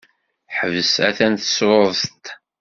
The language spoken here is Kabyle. Ḥbes! Atan tessruḍ-t!